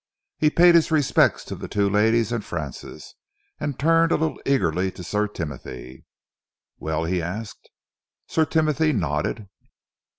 He paid his respects to the two ladies and Francis, and turned a little eagerly to Sir Timothy. "Well?" he asked. Sir Timothy nodded.